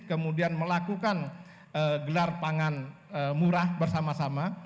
kemudian melakukan gelar pangan murah bersama sama